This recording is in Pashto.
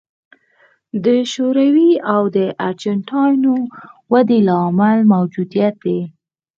د شوروي او ارجنټاین ودې درېدو لامل موجودیت دی.